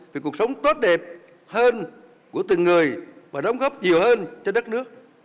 vì cuộc sống tốt đẹp hên của từng người và đóng góp nhiều hên cho đất nước